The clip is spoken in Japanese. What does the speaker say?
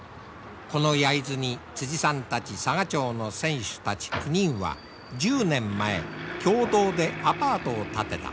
この焼津にさんたち佐賀町の船主たち９人は１０年前共同でアパートを建てた。